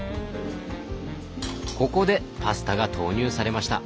ここでパスタが投入されました。